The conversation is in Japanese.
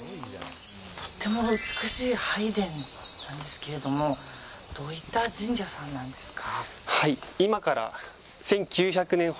とても美しい拝殿なんですけどもどういった神社さんなんですか？